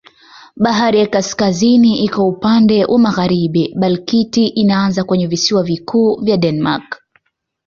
Bahari ya Kaskazini iko upande wa magharibi, Baltiki inaanza kwenye visiwa vikuu vya Denmark.